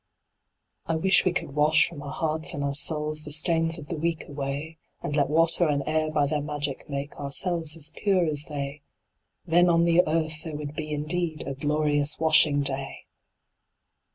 I wish we could wash from our hearts and our souls The stains of the week away, And let water and air by their magic make Ourselves as pure as they; Then on the earth there would be indeed A glorious washing day!